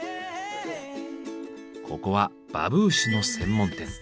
ここはバブーシュの専門店。